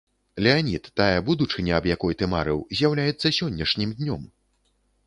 Леанід, тая будучыня, аб якой ты марыў, з'яўляецца сённяшнім днём.